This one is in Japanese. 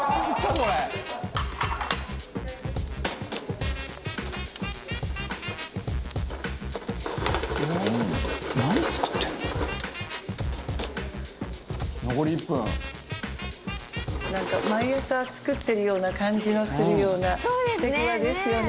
これ」なんか毎朝作ってるような感じのするような手際ですよね。